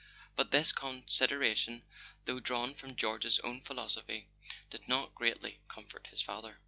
But this consideration, though drawn from George's own philos¬ ophy, did not greatly comfort his father.